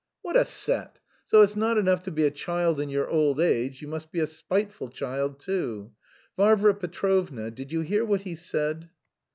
What a set! So it's not enough to be a child in your old age, you must be a spiteful child too! Varvara Petrovna, did you hear what he said?"